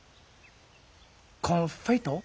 コンフェイト？